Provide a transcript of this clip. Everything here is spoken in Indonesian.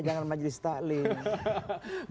jangan majelis taklim